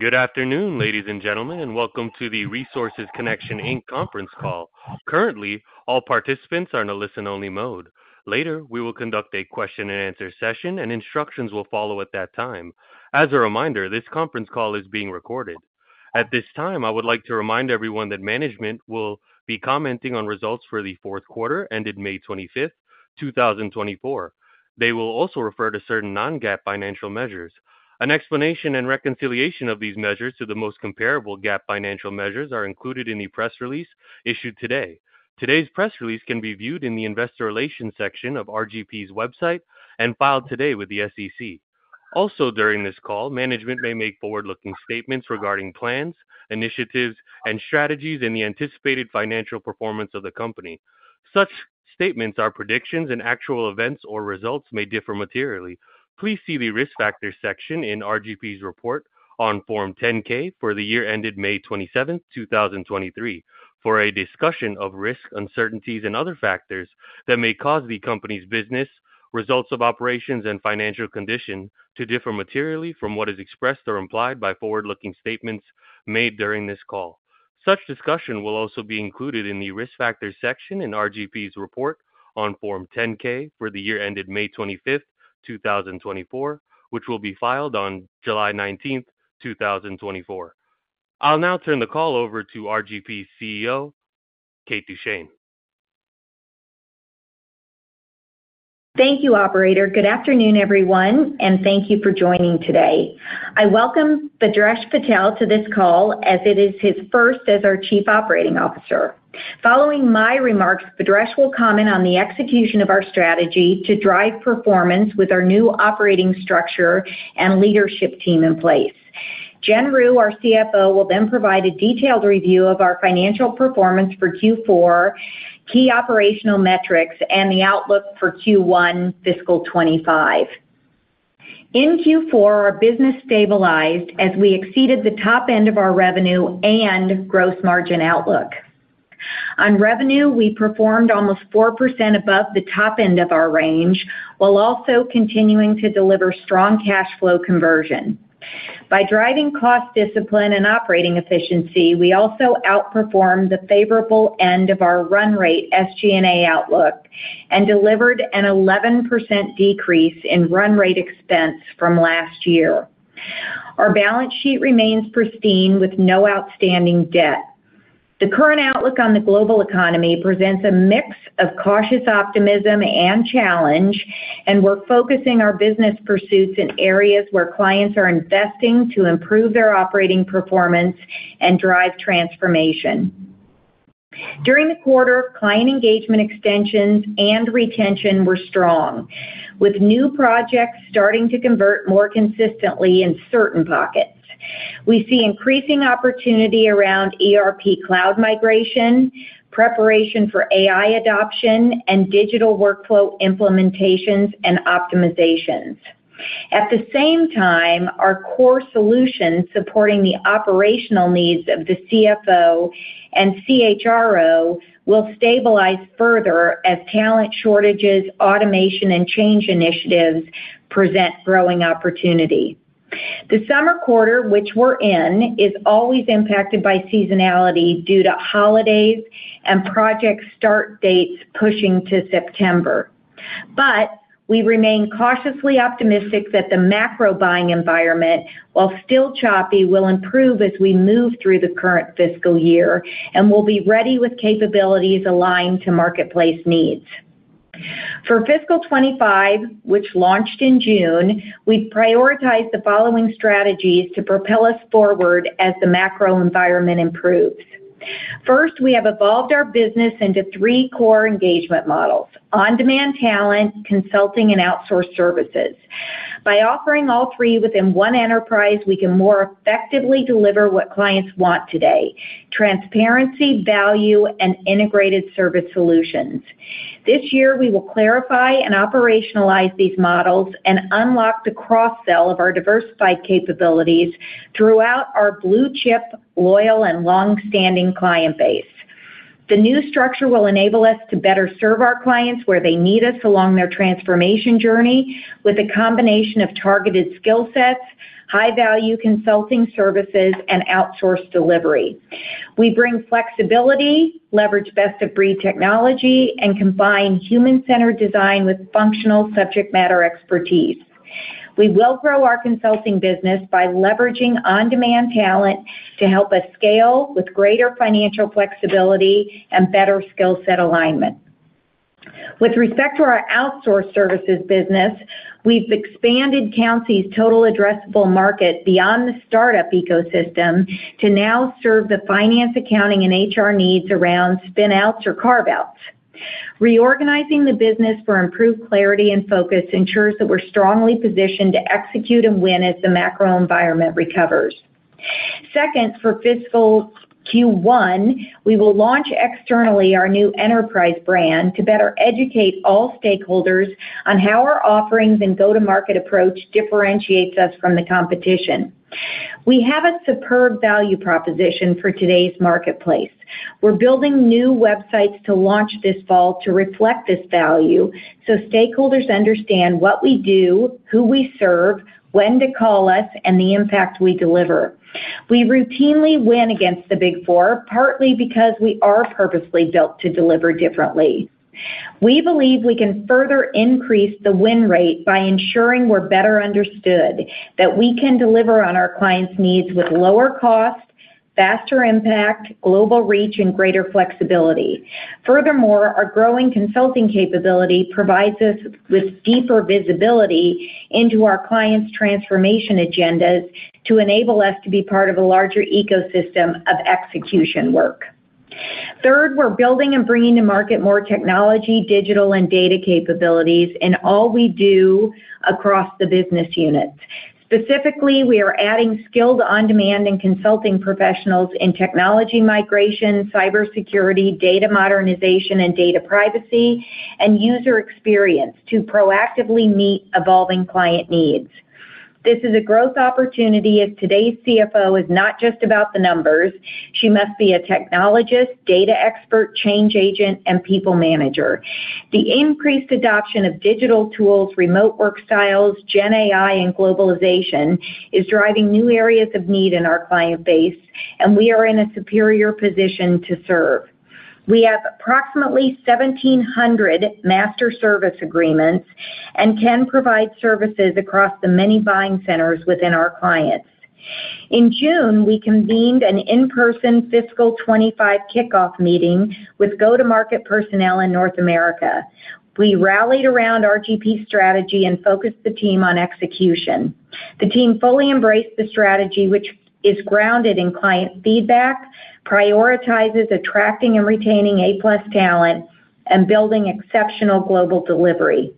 Good afternoon, ladies and gentlemen, and welcome to the Resources Connection, Inc. conference call. Currently, all participants are in a listen-only mode. Later, we will conduct a question-and-answer session, and instructions will follow at that time. As a reminder, this conference call is being recorded. At this time, I would like to remind everyone that management will be commenting on results for the fourth quarter, ended May 25th, 2024. They will also refer to certain non-GAAP financial measures. An explanation and reconciliation of these measures to the most comparable GAAP financial measures are included in the press release issued today. Today's press release can be viewed in the Investor Relations section of RGP's website and filed today with the SEC. Also, during this call, management may make forward-looking statements regarding plans, initiatives, and strategies and the anticipated financial performance of the company. Such statements are predictions, and actual events or results may differ materially. Please see the Risk Factors section in RGP's report on Form 10-K for the year ended May 27th, 2023, for a discussion of risks, uncertainties, and other factors that may cause the company's business, results of operations, and financial condition to differ materially from what is expressed or implied by forward-looking statements made during this call. Such discussion will also be included in the Risk Factors section in RGP's report on Form 10-K for the year ended May 25th, 2024, which will be filed on July 19th, 2024. I'll now turn the call over to RGP's CEO, Kate Duchene. Thank you, operator. Good afternoon, everyone, and thank you for joining today. I welcome Bhadresh Patel to this call as it is his first as our Chief Operating Officer. Following my remarks, Bhadresh will comment on the execution of our strategy to drive performance with our new operating structure and leadership team in place. Jen Ryu, our CFO, will then provide a detailed review of our financial performance for Q4, key operational metrics, and the outlook for Q1 fiscal 2025. In Q4, our business stabilized as we exceeded the top end of our revenue and gross margin outlook. On revenue, we performed almost 4% above the top end of our range, while also continuing to deliver strong cash flow conversion. By driving cost discipline and operating efficiency, we also outperformed the favorable end of our run rate SG&A outlook and delivered an 11% decrease in run rate expense from last year. Our balance sheet remains pristine, with no outstanding debt. The current outlook on the global economy presents a mix of cautious optimism and challenge, and we're focusing our business pursuits in areas where clients are investing to improve their operating performance and drive transformation. During the quarter, client engagement extensions and retention were strong, with new projects starting to convert more consistently in certain pockets. We see increasing opportunity around ERP cloud migration, preparation for AI adoption, and digital workflow implementations and optimizations. At the same time, our core solutions supporting the operational needs of the CFO and CHRO will stabilize further as talent shortages, automation, and change initiatives present growing opportunity. The summer quarter, which we're in, is always impacted by seasonality due to holidays and project start dates pushing to September. But we remain cautiously optimistic that the macro buying environment, while still choppy, will improve as we move through the current fiscal year and will be ready with capabilities aligned to marketplace needs. For fiscal 2025, which launched in June, we've prioritized the following strategies to propel us forward as the macro environment improves. First, we have evolved our business into three core engagement models: on-demand talent, consulting, and outsource services. By offering all three within one enterprise, we can more effectively deliver what clients want today: transparency, value, and integrated service solutions. This year, we will clarify and operationalize these models and unlock the cross-sell of our diversified capabilities throughout our blue-chip, loyal, and long-standing client base. The new structure will enable us to better serve our clients where they need us along their transformation journey with a combination of targeted skill sets, high-value consulting services, and outsourced delivery. We bring flexibility, leverage best-of-breed technology, and combine human-centered design with functional subject matter expertise. We will grow our consulting business by leveraging on-demand talent to help us scale with greater financial flexibility and better skill set alignment. With respect to our outsource services business, we've expanded Countsy's total addressable market beyond the startup ecosystem to now serve the finance, accounting, and HR needs around spin-outs or carve-outs. Reorganizing the business for improved clarity and focus ensures that we're strongly positioned to execute and win as the macro environment recovers. Second, for fiscal Q1, we will launch externally our new enterprise brand to better educate all stakeholders on how our offerings and go-to-market approach differentiates us from the competition. We have a superb value proposition for today's marketplace. We're building new websites to launch this fall to reflect this value, so stakeholders understand what we do, who we serve, when to call us, and the impact we deliver. We routinely win against the Big Four, partly because we are purposely built to deliver differently. We believe we can further increase the win rate by ensuring we're better understood, that we can deliver on our clients' needs with lower cost, faster impact, global reach, and greater flexibility. Furthermore, our growing consulting capability provides us with deeper visibility into our clients' transformation agendas to enable us to be part of a larger ecosystem of execution work. Third, we're building and bringing to market more technology, digital, and data capabilities in all we do across the business units. Specifically, we are adding skilled on-demand and consulting professionals in technology migration, cybersecurity, data modernization, and data privacy, and user experience to proactively meet evolving client needs. This is a growth opportunity, as today's CFO is not just about the numbers. She must be a technologist, data expert, change agent, and people manager. The increased adoption of digital tools, remote work styles, Gen AI, and globalization is driving new areas of need in our client base, and we are in a superior position to serve. We have approximately 1,700 master service agreements and can provide services across the many buying centers within our clients. In June, we convened an in-person fiscal 2025 kickoff meeting with go-to-market personnel in North America. We rallied around RGP strategy and focused the team on execution. The team fully embraced the strategy, which is grounded in client feedback, prioritizes attracting and retaining A-plus talent, and building exceptional global delivery.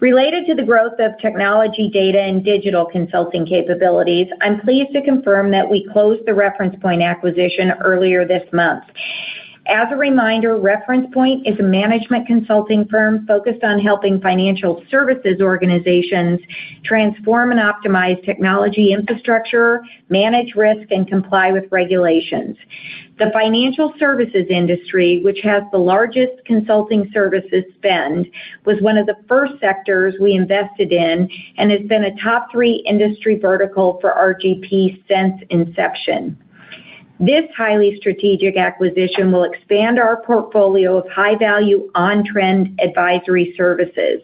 Related to the growth of technology, data, and digital consulting capabilities, I'm pleased to confirm that we closed the Reference Point acquisition earlier this month. As a reminder, Reference Point is a management consulting firm focused on helping financial services organizations transform and optimize technology infrastructure, manage risk, and comply with regulations. The financial services industry, which has the largest consulting services spend, was one of the first sectors we invested in and has been a top three industry vertical for RGP since inception. This highly strategic acquisition will expand our portfolio of high-value, on-trend advisory services.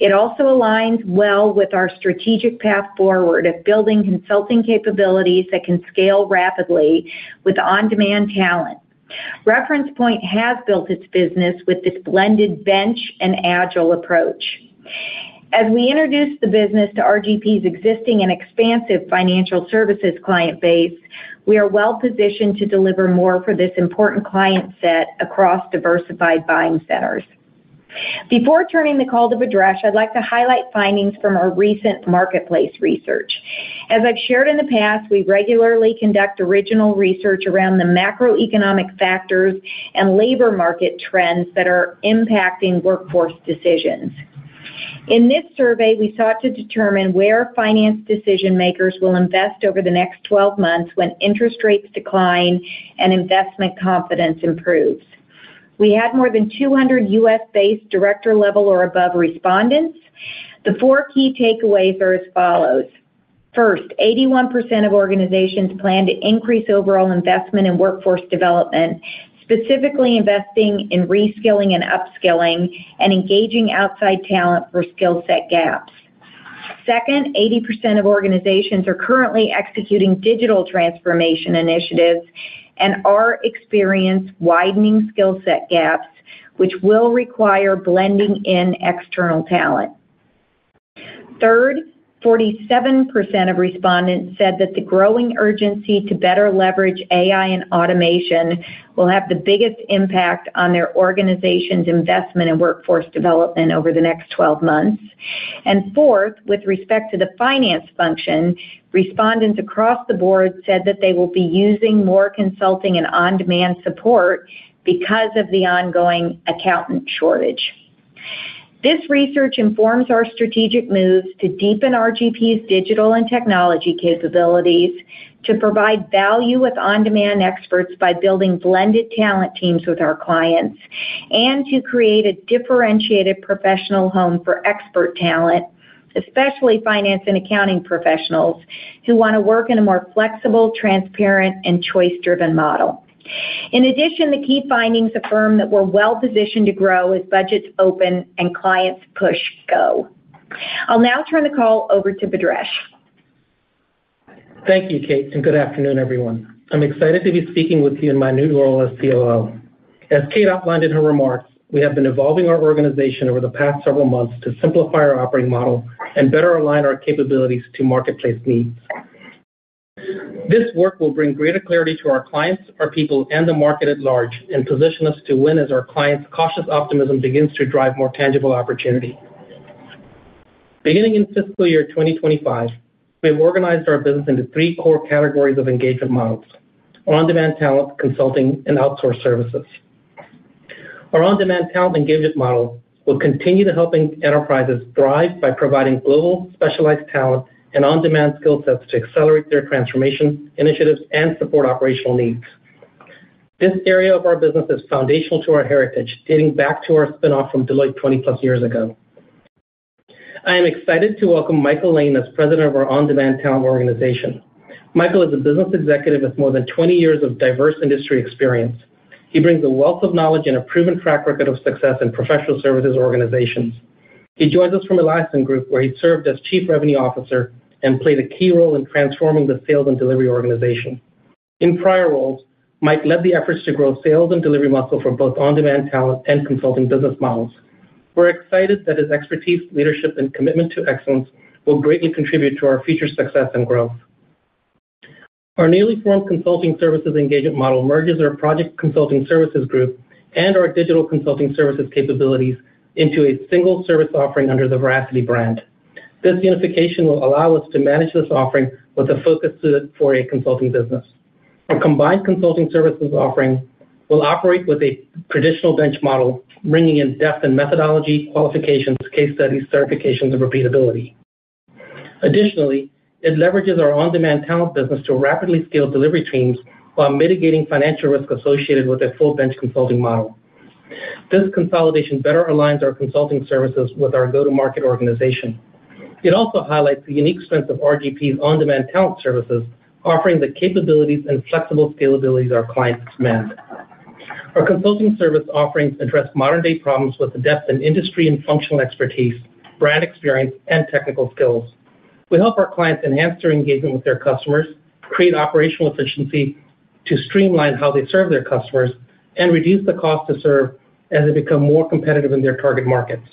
It also aligns well with our strategic path forward of building consulting capabilities that can scale rapidly with on-demand talent. Reference Point has built its business with this blended bench and agile approach. As we introduce the business to RGP's existing and expansive financial services client base, we are well-positioned to deliver more for this important client set across diversified buying centers. Before turning the call to Bhadresh, I'd like to highlight findings from our recent marketplace research. As I've shared in the past, we regularly conduct original research around the macroeconomic factors and labor market trends that are impacting workforce decisions. In this survey, we sought to determine where finance decision-makers will invest over the next 12 months when interest rates decline and investment confidence improves. We had more than 200 U.S.-based director-level or above respondents. The four key takeaways are as follows: First, 81% of organizations plan to increase overall investment in workforce development, specifically investing in reskilling and upskilling, and engaging outside talent for skill set gaps. Second, 80% of organizations are currently executing digital transformation initiatives and are experienced widening skill set gaps, which will require blending in external talent. Third, 47% of respondents said that the growing urgency to better leverage AI and automation will have the biggest impact on their organization's investment in workforce development over the next 12 months. And fourth, with respect to the finance function, respondents across the board said that they will be using more consulting and on-demand support because of the ongoing accountant shortage. This research informs our strategic moves to deepen RGP's digital and technology capabilities, to provide value with on-demand experts by building blended talent teams with our clients, and to create a differentiated professional home for expert talent, especially finance and accounting professionals, who want to work in a more flexible, transparent, and choice-driven model. In addition, the key findings affirm that we're well-positioned to grow as budgets open and clients push go. I'll now turn the call over to Bhadresh. Thank you, Kate, and good afternoon, everyone. I'm excited to be speaking with you in my new role as COO. As Kate outlined in her remarks, we have been evolving our organization over the past several months to simplify our operating model and better align our capabilities to marketplace needs. This work will bring greater clarity to our clients, our people, and the market at large, and position us to win as our clients' cautious optimism begins to drive more tangible opportunity. Beginning in fiscal year 2025, we've organized our business into three core categories of engagement models: on-demand talent, consulting, and outsource services. Our on-demand talent engagement model will continue to helping enterprises thrive by providing global specialized talent and on-demand skill sets to accelerate their transformation initiatives and support operational needs. This area of our business is foundational to our heritage, dating back to our spin-off from Deloitte 20+ years ago. I am excited to welcome Michael Lane as President of our on-demand talent organization. Michael is a business executive with more than 20 years of diverse industry experience. He brings a wealth of knowledge and a proven track record of success in professional services organizations. He joins us from Eliassen Group, where he served as Chief Revenue Officer and played a key role in transforming the sales and delivery organization. In prior roles, Mike led the efforts to grow sales and delivery muscle for both on-demand talent and consulting business models. We're excited that his expertise, leadership, and commitment to excellence will greatly contribute to our future success and growth. Our newly formed consulting services engagement model merges our project consulting services group and our digital consulting services capabilities into a single service offering under the Veracity brand. This unification will allow us to manage this offering with a focus to it for a consulting business. Our combined consulting services offering will operate with a traditional bench model, bringing in-depth and methodology, qualifications, case studies, certifications, and repeatability. Additionally, it leverages our on-demand talent business to rapidly scale delivery teams while mitigating financial risk associated with a full bench consulting model. This consolidation better aligns our consulting services with our go-to-market organization. It also highlights the unique strengths of RGP's on-demand talent services, offering the capabilities and flexible scalability our clients demand. Our consulting service offerings address modern-day problems with the depth and industry and functional expertise, brand experience, and technical skills. We help our clients enhance their engagement with their customers, create operational efficiency to streamline how they serve their customers, and reduce the cost to serve as they become more competitive in their target markets.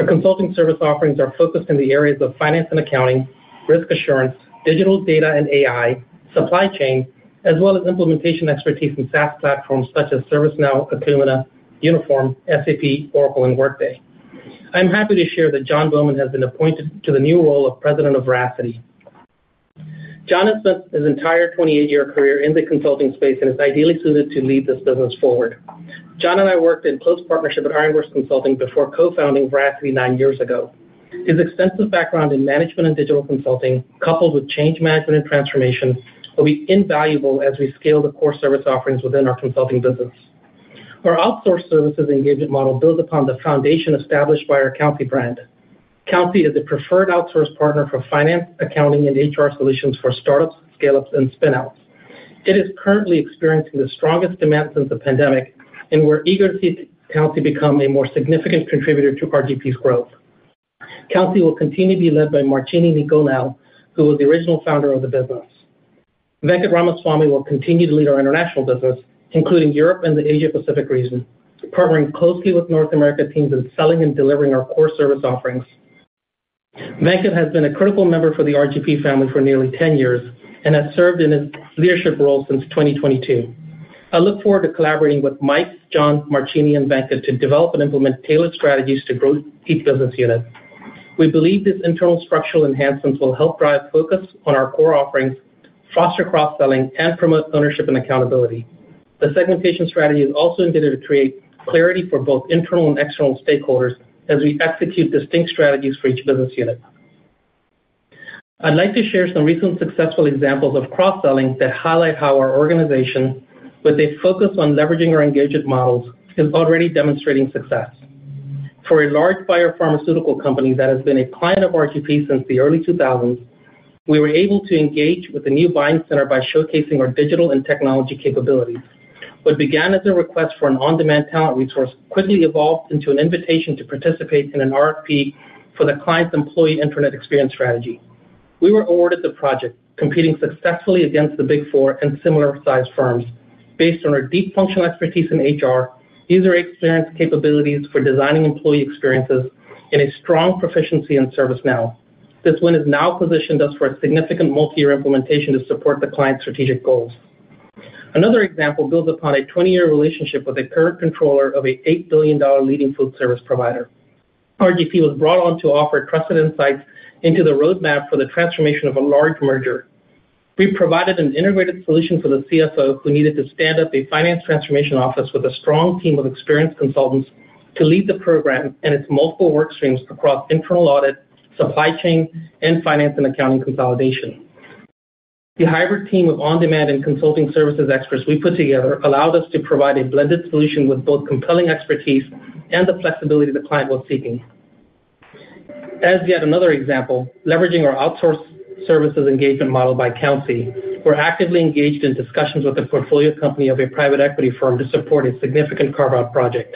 Our consulting service offerings are focused in the areas of finance and accounting, risk assurance, digital data and AI, supply chain, as well as implementation expertise in SaaS platforms such as ServiceNow, Acumatica, Infor, SAP, Oracle, and Workday. I'm happy to share that Jon Bohlman has been appointed to the new role of President of Veracity. Jon has spent his entire 28-year career in the consulting space and is ideally suited to lead this business forward. Jon and I worked in close partnership at Ironworks Consulting before co-founding Veracity nine years ago. His extensive background in management and digital consulting, coupled with change management and transformation, will be invaluable as we scale the core service offerings within our consulting business. Our outsourced services engagement model builds upon the foundation established by our Countsy brand. Countsy is the preferred outsourced partner for finance, accounting, and HR solutions for startups, scale-ups, and spin-outs. It is currently experiencing the strongest demand since the pandemic, and we're eager to see Countsy become a more significant contributor to RGP's growth. Countsy will continue to be led by Mairtini Ni Dhomhnaill, who was the original founder of the business. Venkat Ramaswamy will continue to lead our international business, including Europe and the Asia Pacific region, partnering closely with North America teams in selling and delivering our core service offerings. Venkat has been a critical member for the RGP family for nearly 10 years and has served in a leadership role since 2022. I look forward to collaborating with Mike, Jon, Mairtini, and Venkat to develop and implement tailored strategies to grow each business unit. We believe these internal structural enhancements will help drive focus on our core offerings, foster cross-selling, and promote ownership and accountability. The segmentation strategy is also intended to create clarity for both internal and external stakeholders as we execute distinct strategies for each business unit. I'd like to share some recent successful examples of cross-selling that highlight how our organization, with a focus on leveraging our engagement models, is already demonstrating success. For a large biopharmaceutical company that has been a client of RGP since the early 2000, we were able to engage with the new buying center by showcasing our digital and technology capabilities. What began as a request for an on-demand talent resource quickly evolved into an invitation to participate in an RFP for the client's employee internet experience strategy. We were awarded the project, competing successfully against the Big Four and similar-sized firms based on our deep functional expertise in HR, user experience capabilities for designing employee experiences, and a strong proficiency in ServiceNow. This win has now positioned us for a significant multi-year implementation to support the client's strategic goals. Another example builds upon a 20-year relationship with a current controller of an $8 billion leading food service provider. RGP was brought on to offer trusted insights into the roadmap for the transformation of a large merger. We provided an integrated solution for the CFO, who needed to stand up a finance transformation office with a strong team of experienced consultants to lead the program and its multiple work streams across internal audit, supply chain, and finance and accounting consolidation. The hybrid team of on-demand and consulting services experts we put together allowed us to provide a blended solution with both compelling expertise and the flexibility the client was seeking. As yet another example, leveraging our outsource services engagement model by Countsy, we're actively engaged in discussions with a portfolio company of a private equity firm to support a significant carve-out project.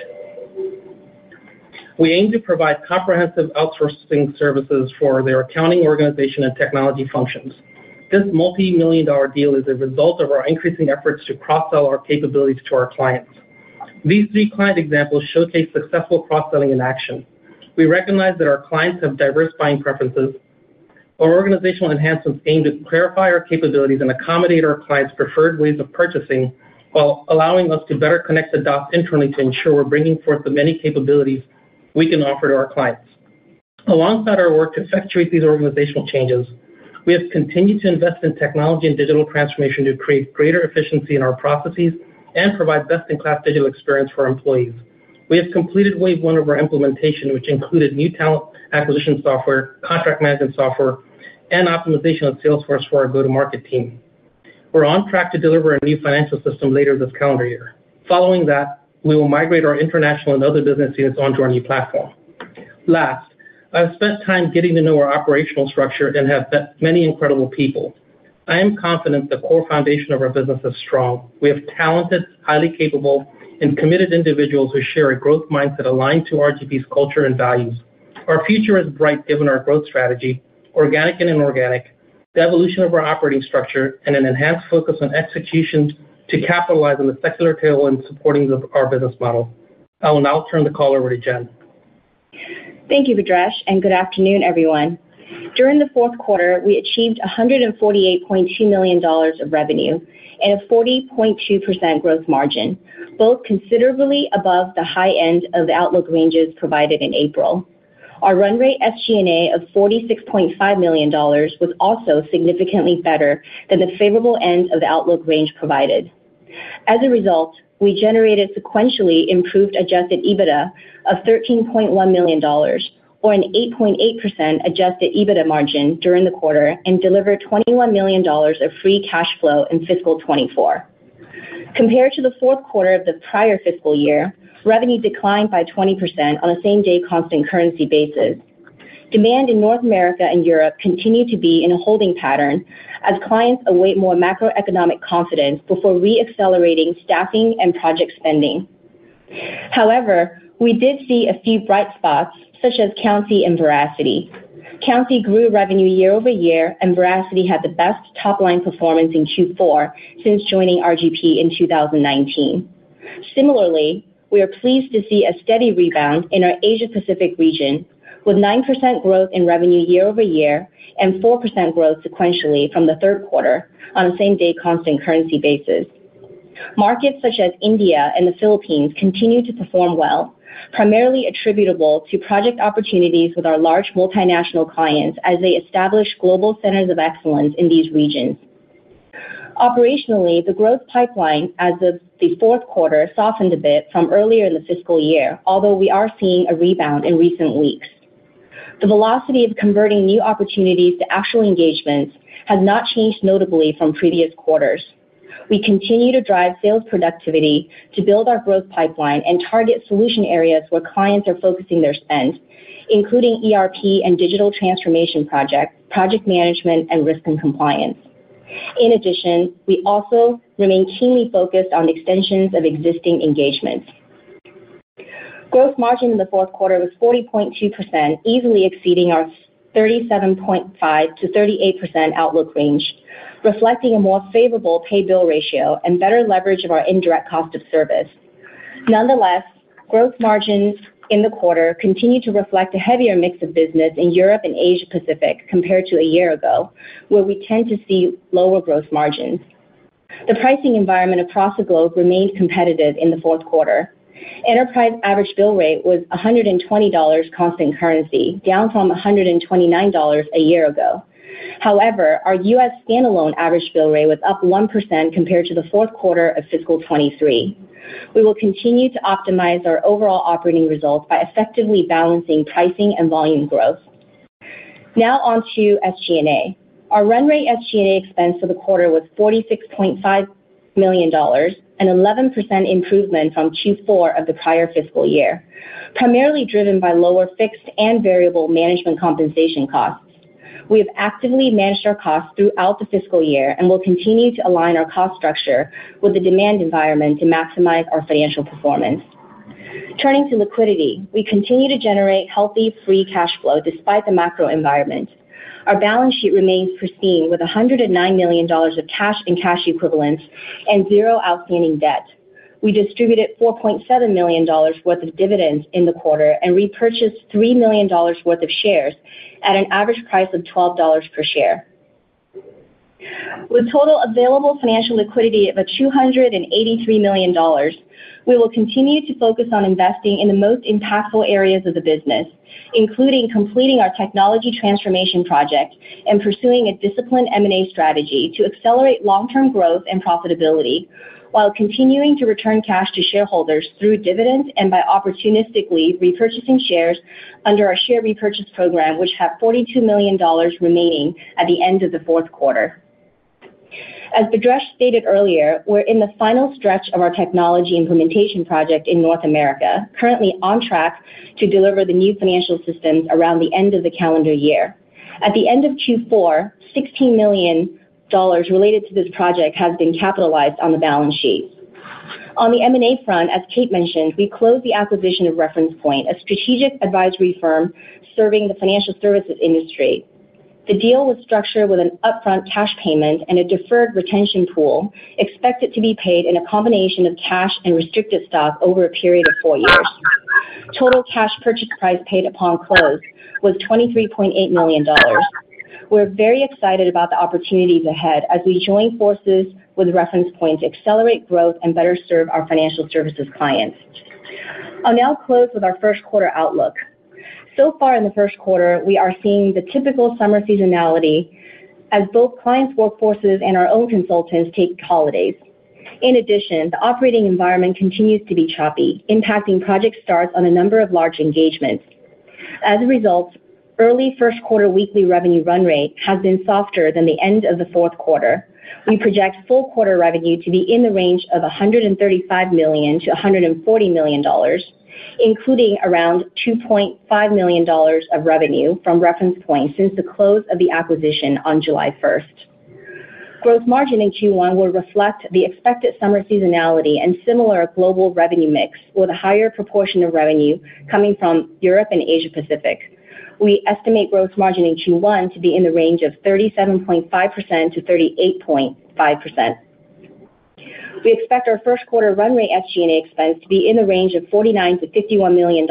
We aim to provide comprehensive outsourcing services for their accounting, organization, and technology functions. This multi-million-dollar deal is a result of our increasing efforts to cross-sell our capabilities to our clients. These three client examples showcase successful cross-selling in action. We recognize that our clients have diverse buying preferences. Our organizational enhancements aim to clarify our capabilities and accommodate our clients' preferred ways of purchasing, while allowing us to better connect the dots internally to ensure we're bringing forth the many capabilities we can offer to our clients. Alongside our work to effectuate these organizational changes, we have continued to invest in technology and digital transformation to create greater efficiency in our processes and provide best-in-class digital experience for our employees. We have completed wave one of our implementation, which included new talent acquisition software, contract management software, and optimization of Salesforce for our go-to-market team. We're on track to deliver a new financial system later this calendar year. Following that, we will migrate our international and other business units onto our new platform. Last, I've spent time getting to know our operational structure and have met many incredible people. I am confident the core foundation of our business is strong. We have talented, highly capable, and committed individuals who share a growth mindset aligned to RGP's culture and values. Our future is bright, given our growth strategy, organic and inorganic, the evolution of our operating structure, and an enhanced focus on execution to capitalize on the secular tailwind supporting our business model. I will now turn the call over to Jen. Thank you, Bhadresh, and good afternoon, everyone. During the fourth quarter, we achieved $148.2 million of revenue and a 40.2% gross margin, both considerably above the high end of the outlook ranges provided in April. Our run rate SG&A of $46.5 million was also significantly better than the favorable end of the outlook range provided. As a result, we generated sequentially improved adjusted EBITDA of $13.1 million, or an 8.8% adjusted EBITDA margin during the quarter, and delivered $21 million of free cash flow in fiscal 2024. Compared to the fourth quarter of the prior fiscal year, revenue declined by 20% on a same-day constant currency basis. Demand in North America and Europe continued to be in a holding pattern as clients await more macroeconomic confidence before re-accelerating staffing and project spending. However, we did see a few bright spots, such as Countsy and Veracity. Countsy grew revenue year-over-year, and Veracity had the best top-line performance in Q4 since joining RGP in 2019. Similarly, we are pleased to see a steady rebound in our Asia Pacific region, with 9% growth in revenue year-over-year and 4% growth sequentially from the third quarter on a same-day constant currency basis. Markets such as India and the Philippines continue to perform well, primarily attributable to project opportunities with our large multinational clients as they establish global centers of excellence in these regions. Operationally, the growth pipeline as of the fourth quarter softened a bit from earlier in the fiscal year, although we are seeing a rebound in recent weeks. The velocity of converting new opportunities to actual engagements has not changed notably from previous quarters. We continue to drive sales productivity to build our growth pipeline and target solution areas where clients are focusing their spend, including ERP and digital transformation projects, project management, and risk and compliance. In addition, we also remain keenly focused on extensions of existing engagements. Gross margin in the fourth quarter was 40.2%, easily exceeding our 37.5%-38% outlook range, reflecting a more favorable pay bill ratio and better leverage of our indirect cost of service. Nonetheless, gross margins in the quarter continue to reflect a heavier mix of business in Europe and Asia Pacific compared to a year ago, where we tend to see lower gross margins. The pricing environment across the globe remained competitive in the fourth quarter. Enterprise average bill rate was $120 constant currency, down from $129 a year ago. However, our U.S. standalone average bill rate was up 1% compared to the fourth quarter of fiscal 2023. We will continue to optimize our overall operating results by effectively balancing pricing and volume growth. Now on to SG&A. Our run rate SG&A expense for the quarter was $46.5 million, an 11% improvement from Q4 of the prior fiscal year, primarily driven by lower fixed and variable management compensation costs. We have actively managed our costs throughout the fiscal year and will continue to align our cost structure with the demand environment to maximize our financial performance. Turning to liquidity, we continue to generate healthy free cash flow despite the macro environment. Our balance sheet remains pristine, with $109 million of cash and cash equivalents and zero outstanding debt. We distributed $4.7 million worth of dividends in the quarter and repurchased $3 million worth of shares at an average price of $12 per share. With total available financial liquidity of $283 million, we will continue to focus on investing in the most impactful areas of the business, including completing our technology transformation project and pursuing a disciplined M&A strategy to accelerate long-term growth and profitability while continuing to return cash to shareholders through dividends and by opportunistically repurchasing shares under our share repurchase program, which had $42 million remaining at the end of the fourth quarter. As Bhadresh stated earlier, we're in the final stretch of our technology implementation project in North America, currently on track to deliver the new financial systems around the end of the calendar year. At the end of Q4, $16 million related to this project has been capitalized on the balance sheet. On the M&A front, as Kate mentioned, we closed the acquisition of Reference Point, a strategic advisory firm serving the financial services industry. The deal was structured with an upfront cash payment and a deferred retention pool, expected to be paid in a combination of cash and restricted stock over a period of four years. Total cash purchase price paid upon close was $23.8 million. We're very excited about the opportunities ahead as we join forces with Reference Point to accelerate growth and better serve our financial services clients. I'll now close with our first quarter outlook. So far in the first quarter, we are seeing the typical summer seasonality as both clients' workforces and our own consultants take holidays. In addition, the operating environment continues to be choppy, impacting project starts on a number of large engagements. As a result, early first quarter weekly revenue run rate has been softer than the end of the fourth quarter. We project full quarter revenue to be in the range of $135 million-$140 million, including around $2.5 million of revenue from Reference Point since the close of the acquisition on July 1st. Gross margin in Q1 will reflect the expected summer seasonality and similar global revenue mix, with a higher proportion of revenue coming from Europe and Asia Pacific. We estimate gross margin in Q1 to be in the range of 37.5%-38.5%. We expect our first quarter run rate SG&A expense to be in the range of $49 million-$51 million,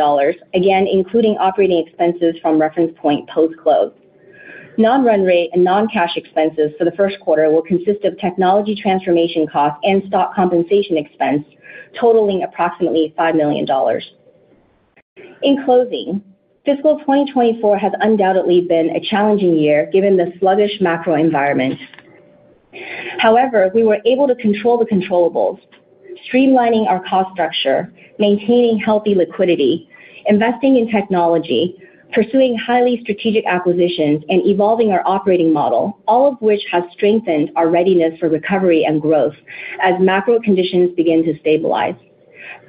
again, including operating expenses from Reference Point post-close. Non-run rate and non-cash expenses for the first quarter will consist of technology transformation costs and stock compensation expense, totaling approximately $5 million. In closing, fiscal 2024 has undoubtedly been a challenging year, given the sluggish macro environment. However, we were able to control the controllables, streamlining our cost structure, maintaining healthy liquidity, investing in technology, pursuing highly strategic acquisitions, and evolving our operating model, all of which have strengthened our readiness for recovery and growth as macro conditions begin to stabilize.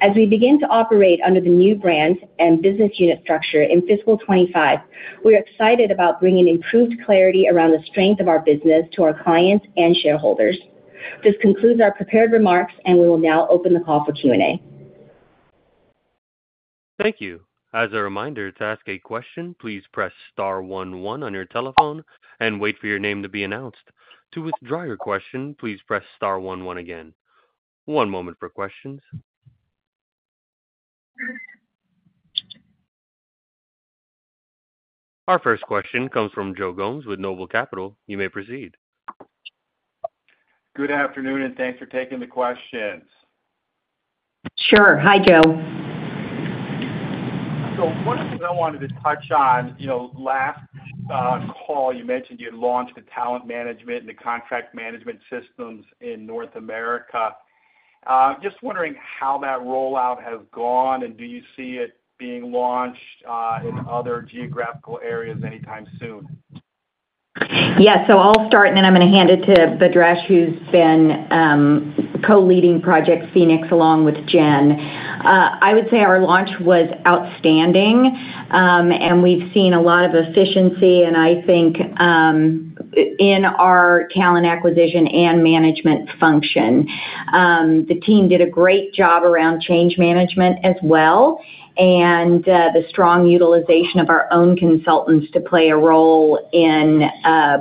As we begin to operate under the new brand and business unit structure in fiscal 2025, we are excited about bringing improved clarity around the strength of our business to our clients and shareholders. This concludes our prepared remarks, and we will now open the call for Q&A. Thank you. As a reminder, to ask a question, please press star one one on your telephone and wait for your name to be announced. To withdraw your question, please press star one one again. One moment for questions. Our first question comes from Joe Gomes with Noble Capital. You may proceed. Good afternoon, and thanks for taking the questions. Sure. Hi, Joe. So one of the things I wanted to touch on, you know, last call, you mentioned you had launched the talent management and the contract management systems in North America. Just wondering how that rollout has gone, and do you see it being launched in other geographical areas anytime soon? Yeah. So I'll start, and then I'm gonna hand it to Bhadresh, who's been co-leading Project Phoenix, along with Jen. I would say our launch was outstanding, and we've seen a lot of efficiency, and I think in our talent acquisition and management function. The team did a great job around change management as well, and the strong utilization of our own consultants to play a role in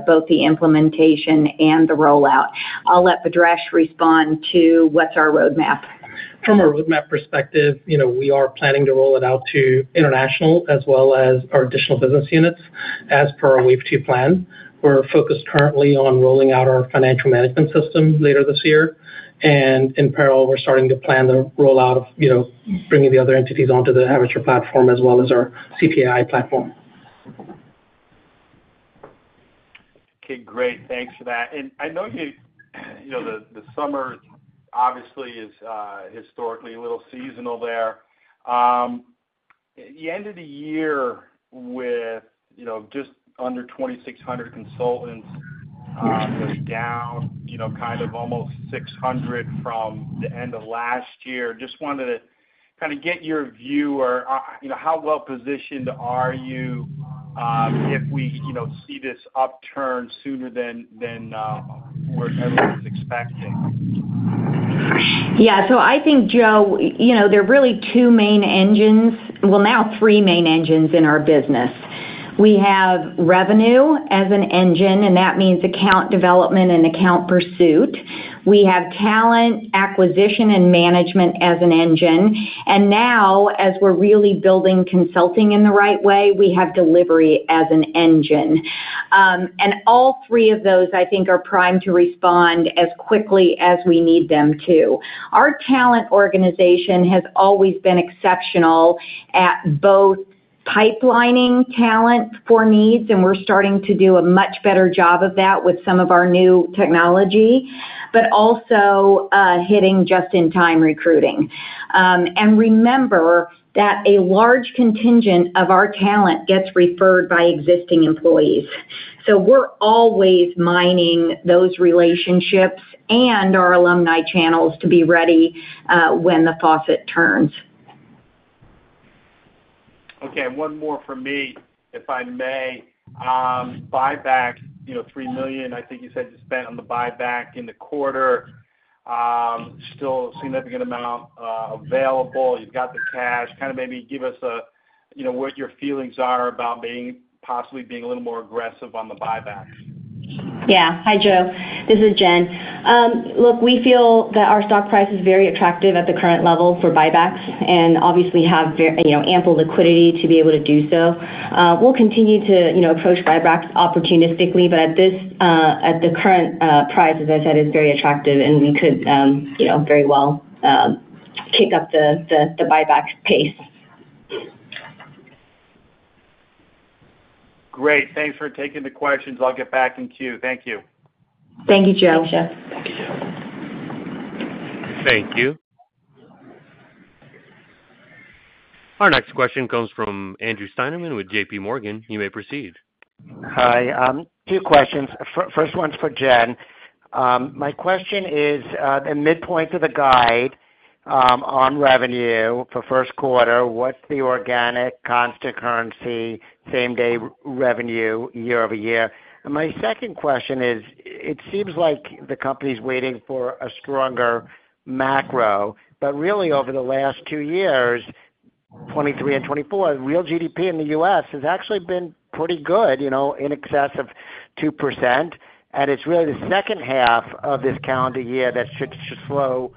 both the implementation and the rollout. I'll let Bhadresh respond to what's our roadmap. From a roadmap perspective, you know, we are planning to roll it out to international as well as our additional business units, as per our wave two plan. We're focused currently on rolling out our financial management system later this year, and in parallel, we're starting to plan the rollout of, you know, bringing the other entities onto the Avature platform, as well as our CTI platform. Okay, great. Thanks for that. And I know you know the summer obviously is historically a little seasonal there. The end of the year with, you know, just under 2,600 consultants, down, you know, kind of almost 600 from the end of last year. Just wanted to kind of get your view or, you know, how well positioned are you, if we, you know, see this upturn sooner than we're, everyone is expecting? Yeah. So I think, Joe, you know, there are really two main engines. Well, now three main engines in our business. We have revenue as an engine, and that means account development and account pursuit. We have talent acquisition and management as an engine, and now, as we're really building consulting in the right way, we have delivery as an engine. And all three of those, I think, are primed to respond as quickly as we need them to. Our talent organization has always been exceptional at both pipelining talent for needs, and we're starting to do a much better job of that with some of our new technology, but also, hitting just-in-time recruiting. And remember that a large contingent of our talent gets referred by existing employees. So we're always mining those relationships and our alumni channels to be ready, when the faucet turns. Okay, one more from me, if I may. Buyback, you know, $3 million, I think you said, you spent on the buyback in the quarter. Still a significant amount available. You've got the cash. Kind of maybe give us a, you know, what your feelings are about being possibly a little more aggressive on the buyback? Yeah. Hi, Joe, this is Jen. Look, we feel that our stock price is very attractive at the current level for buybacks, and obviously have very, you know, ample liquidity to be able to do so. We'll continue to, you know, approach buybacks opportunistically, but at this, at the current price, as I said, is very attractive, and we could, you know, very well kick up the buyback pace. Great. Thanks for taking the questions. I'll get back in queue. Thank you. Thank you, Joe. Thank you. Thank you. Our next question comes from Andrew Steinerman with J.P. Morgan. You may proceed. Hi. Two questions. First one's for Jen. My question is, the midpoint of the guide, on revenue for first quarter, what's the organic constant currency same-day revenue year-over-year? And my second question is, it seems like the company's waiting for a stronger macro, but really, over the last two years, 2023 and 2024, real GDP in the U.S. has actually been pretty good, you know, in excess of 2%, and it's really the second half of this calendar year that should slow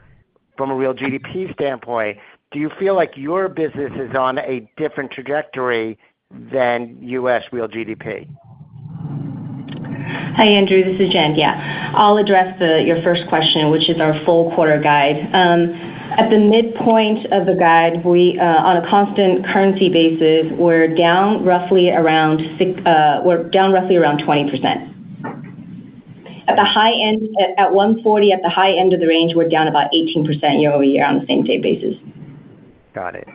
from a real GDP standpoint. Do you feel like your business is on a different trajectory than U.S. real GDP? Hi, Andrew. This is Jen. Yeah, I'll address your first question, which is our full quarter guide. At the midpoint of the guide, we, on a constant currency basis, we're down roughly around six, we're down roughly around 20%. At the high end, at $140, at the high end of the range, we're down about 18% year-over-year on the same-day basis. Got it.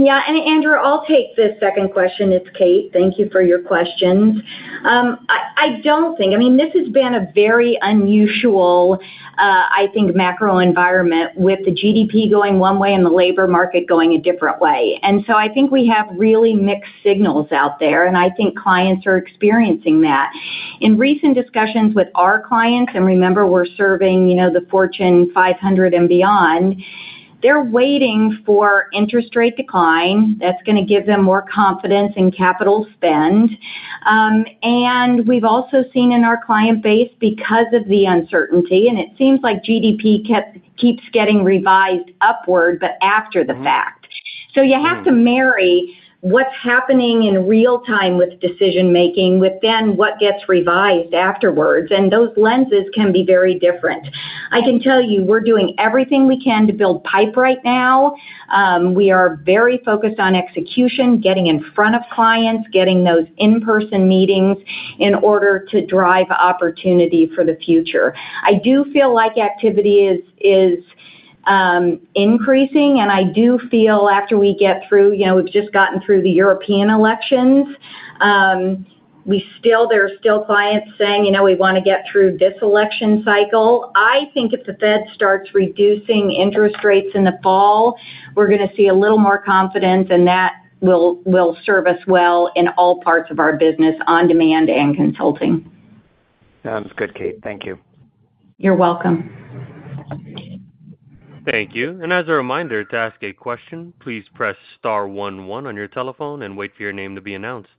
Yeah, Andrew, I'll take the second question. It's Kate. Thank you for your questions. I don't think, I mean, this has been a very unusual, I think, macro environment with the GDP going one way and the labor market going a different way. And so I think we have really mixed signals out there, and I think clients are experiencing that. In recent discussions with our clients, and remember, we're serving, you know, the Fortune 500 and beyond, they're waiting for interest rate decline. That's gonna give them more confidence in capital spend. And we've also seen in our client base, because of the uncertainty, and it seems like GDP keeps getting revised upward, but after the fact. So you have to marry what's happening in real time with decision making, with then what gets revised afterwards, and those lenses can be very different. I can tell you, we're doing everything we can to build pipe right now. We are very focused on execution, getting in front of clients, getting those in-person meetings in order to drive opportunity for the future. I do feel like activity is increasing, and I do feel after we get through, you know, we've just gotten through the European elections, we still—there are still clients saying, "You know, we wanna get through this election cycle." I think if the Fed starts reducing interest rates in the fall, we're gonna see a little more confidence, and that will serve us well in all parts of our business, on-demand and consulting. Sounds good, Kate. Thank you. You're welcome. Thank you. As a reminder, to ask a question, please press star one, one on your telephone and wait for your name to be announced.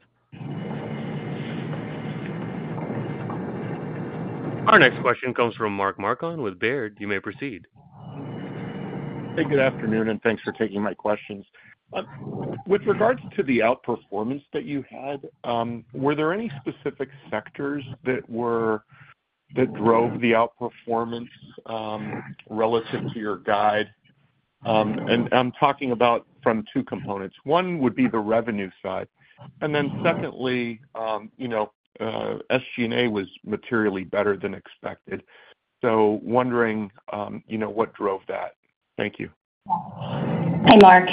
Our next question comes from Mark Marcon with Baird. You may proceed. Hey, good afternoon, and thanks for taking my questions. With regards to the outperformance that you had, were there any specific sectors that drove the outperformance, relative to your guide? And I'm talking about from two components. One would be the revenue side, and then secondly, you know, SG&A was materially better than expected. So wondering, you know, what drove that? Thank you. Hi, Mark.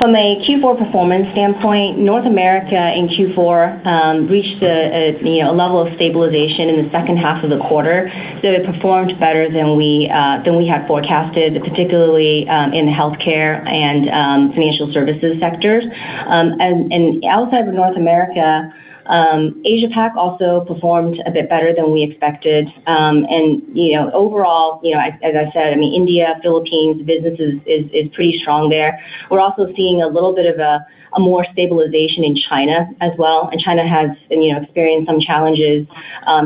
From a Q4 performance standpoint, North America in Q4 reached a, you know, a level of stabilization in the second half of the quarter. So it performed better than we had forecasted, particularly in the healthcare and financial services sectors. And outside of North America, Asia Pac also performed a bit better than we expected. And, you know, overall, you know, as I said, I mean, India, Philippines, business is pretty strong there. We're also seeing a little bit of a more stabilization in China as well, and China has, you know, experienced some challenges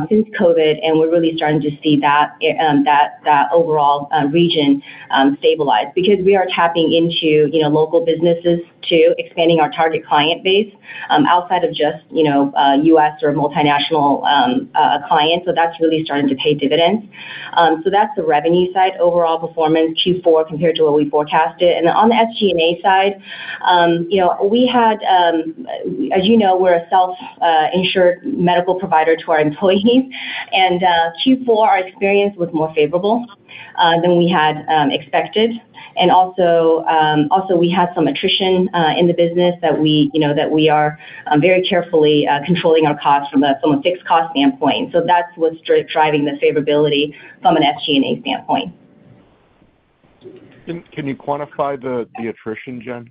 since COVID, and we're really starting to see that overall region stabilize. Because we are tapping into, you know, local businesses too, expanding our target client base, outside of just, you know, U.S. or multinational clients. So that's really starting to pay dividends. So that's the revenue side, overall performance, Q4, compared to what we forecasted. And on the SG&A side, you know, we had, as you know, we're a self-insured medical provider to our employees, and, Q4, our experience was more favorable, than we had, expected. And also, we had some attrition, in the business that we, you know, that we are, very carefully, controlling our costs from a, from a fixed cost standpoint. So that's what's driving the favorability from an SG&A standpoint. Can you quantify the attrition, Jen?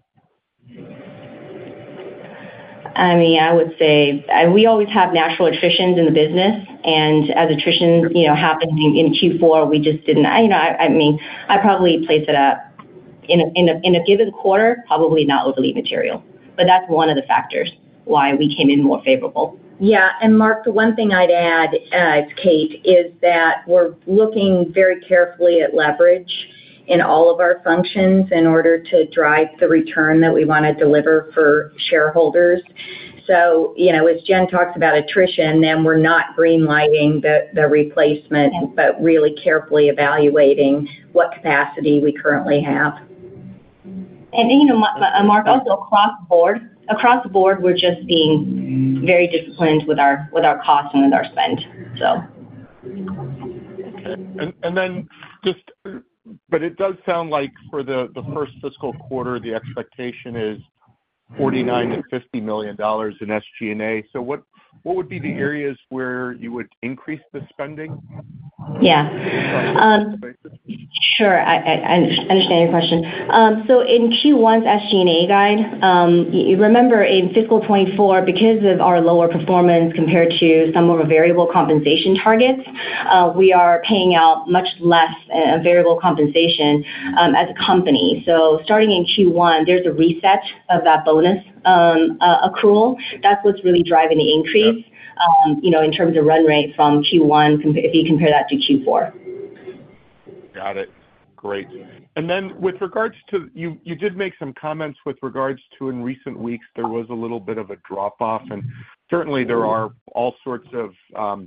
I mean, I would say, we always have natural attritions in the business, and as attrition, you know, happened in Q4, we just didn't. You know, I mean, I'd probably place it at in a given quarter, probably not overly material, but that's one of the factors why we came in more favorable. Yeah, and Mark, the one thing I'd add as Kate is that we're looking very carefully at leverage in all of our functions in order to drive the return that we wanna deliver for shareholders. So, you know, as Jen talks about attrition, then we're not green-lighting the replacement, but really carefully evaluating what capacity we currently have. You know, Mark, also across the board, across the board, we're just being very disciplined with our costs and with our spend, so. But it does sound like for the first fiscal quarter, the expectation is $49 million-$50 million in SG&A. So what would be the areas where you would increase the spending? Yeah. Sure. I understand your question. So in Q1's SG&A guide, remember, in fiscal 2024, because of our lower performance compared to some of our variable compensation targets, we are paying out much less variable compensation as a company. So starting in Q1, there's a reset of that bonus accrual. That's what's really driving the increase you know, in terms of run rate from Q1, if you compare that to Q4. Got it. Great. And then with regards to- You did make some comments with regards to, in recent weeks, there was a little bit of a drop-off, and certainly there are all sorts of of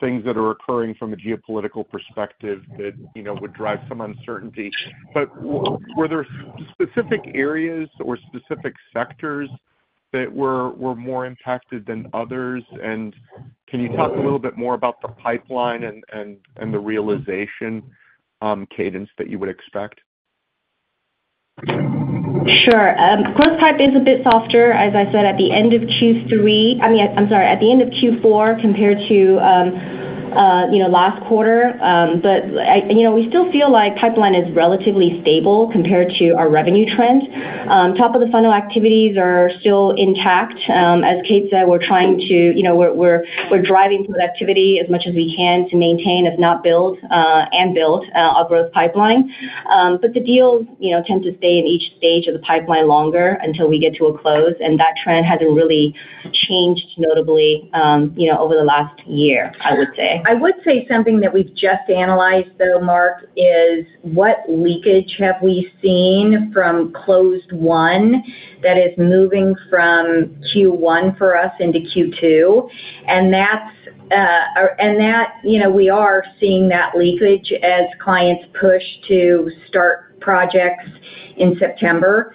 things that are occurring from a geopolitical perspective that, you know, would drive some uncertainty. But were there specific areas or specific sectors that were more impacted than others? And can you talk a little bit more about the pipeline and the realization cadence that you would expect? Sure. Growth pipeline is a bit softer, as I said, at the end of Q3 - I mean, I'm sorry, at the end of Q4, compared to, you know, last quarter. But I, you know, we still feel like pipeline is relatively stable compared to our revenue trends. Top of the funnel activities are still intact. As Kate said, we're trying to, you know, we're driving some activity as much as we can to maintain, if not build, and build our growth pipeline. But the deals, you know, tend to stay in each stage of the pipeline longer until we get to a close, and that trend hasn't really changed notably, you know, over the last year, I would say. I would say something that we've just analyzed, though, Mark, is what leakage have we seen from closed one that is moving from Q1 for us into Q2? And that's, you know, we are seeing that leakage as clients push to start projects in September.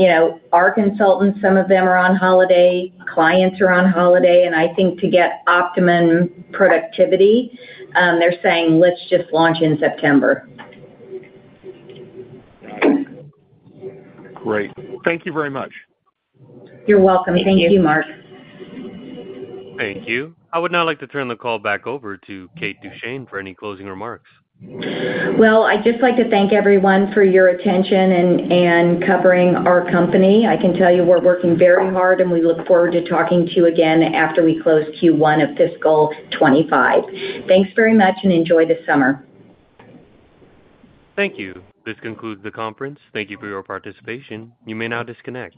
You know, our consultants, some of them are on holiday, clients are on holiday, and I think to get optimum productivity, they're saying, "Let's just launch in September. Great. Thank you very much. You're welcome. Thank you. Thank you, Mark. Thank you. I would now like to turn the call back over to Kate Duchene for any closing remarks. Well, I'd just like to thank everyone for your attention and covering our company. I can tell you we're working very hard, and we look forward to talking to you again after we close Q1 of fiscal 2025. Thanks very much, and enjoy the summer. Thank you. This concludes the conference. Thank you for your participation. You may now disconnect.